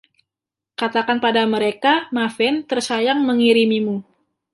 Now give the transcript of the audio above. Katakan pada mereka "Maven" tersayang mengirimimu.